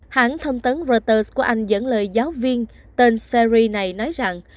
các giáo viên của anh dẫn lời giáo viên tên sherry này nói rằng